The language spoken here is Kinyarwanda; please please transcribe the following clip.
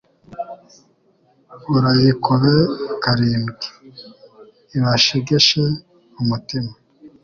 urayikube karindwi ibashegeshe umutima